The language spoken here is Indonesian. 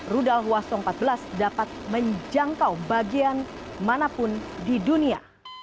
rudal hwasong empat belas dapat menjangkau bagian manapun di dunia